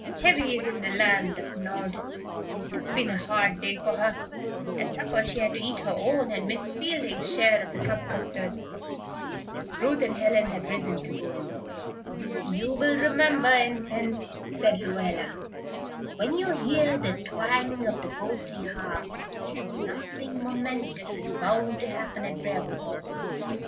"Heavy is in the Land of Nod. It's been a hard day for her. At supper she had to eat her own and Miss Fielding's share of the cup custards." Ruth and Helen had already risen to go. "You'll remember, Infants," said Lluella, "when you hear the twang of the ghostly harp, that something momentous is bound to happen at Briarwood Hall."